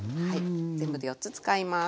全部で４つ使います。